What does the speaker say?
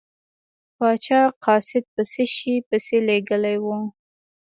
پاچا قاصد په څه شي پسې لیږلی و.